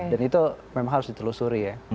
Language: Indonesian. dan itu memang harus ditelusuri ya